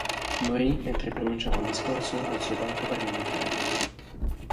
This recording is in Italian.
Morì mentre pronunciava un discorso al suo banco parlamentare.